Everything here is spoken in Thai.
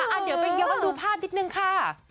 เดี๋ยวไปย้อนดูภาพนิดนึงค่ะ